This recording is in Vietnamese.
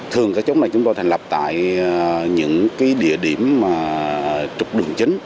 thường cái chốt này chúng tôi thành lập tại những cái địa điểm mà trục đường chính